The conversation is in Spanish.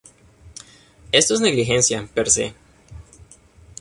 Esto es negligencia "per se".